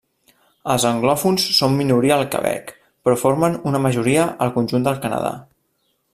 Els anglòfons són minoria al Quebec, però formen una majoria al conjunt del Canadà.